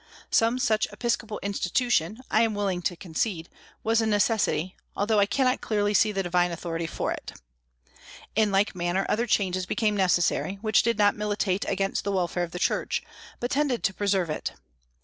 Some such episcopal institution, I am willing to concede, was a necessity, although I cannot clearly see the divine authority for it. In like manner other changes became necessary, which did not militate against the welfare of the Church, but tended to preserve it.